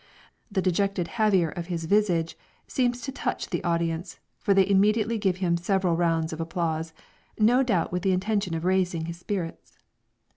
The "dejected haviour of his visage" seems to touch the audience, for they immediately give him several rounds of applause, no doubt with the intention of raising his spirits.